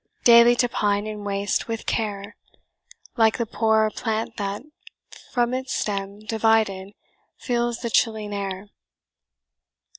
Daily to pine and waste with care! Like the poor plant that, from its stem Divided, feels the chilling air.